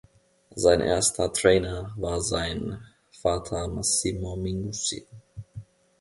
Sein erster Trainer war sein Vater Massimo Minguzzi.